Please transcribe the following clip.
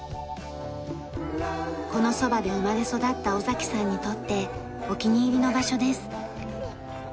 このそばで生まれ育った尾さんにとってお気に入りの場所です。